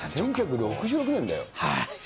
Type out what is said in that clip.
１９６６年だよ。